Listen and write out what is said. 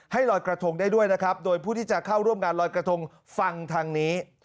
ลอยกระทงได้ด้วยนะครับโดยผู้ที่จะเข้าร่วมงานลอยกระทงฟังทางนี้